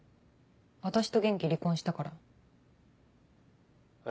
私と元気離婚したから。